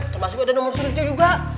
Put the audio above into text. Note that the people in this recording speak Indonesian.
termasuk ada nomor suratnya juga